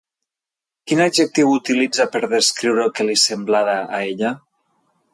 Quin adjectiu utilitza per descriure el que li semblava a ella?